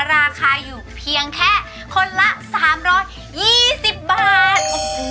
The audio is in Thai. ราคาอยู่เพียงแค่คนละ๓๒๐บาท